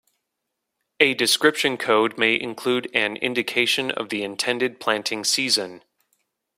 A description code may include an indication of the intended planting season.